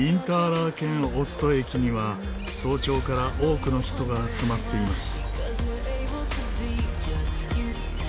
ラーケン・オスト駅には早朝から多くの人が集まっています。